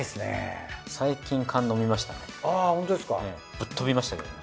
ぶっ飛びましたけどね。